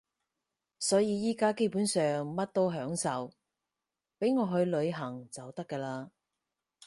所以而家基本上乜都享受，畀我去旅行就得㗎喇